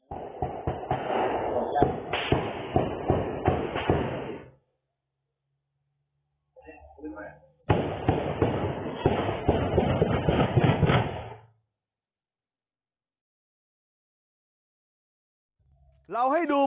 นี่เรานับไปด้วยนะ